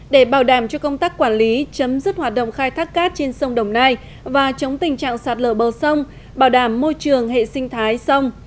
để bảo đảm cho công tác quản lý chấm dứt hoạt động khai thác cát trên sông đồng nai và chống tình trạng sạt lở bờ sông bảo đảm môi trường hệ sinh thái sông